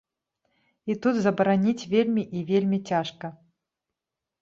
І тут забараніць вельмі і вельмі цяжка.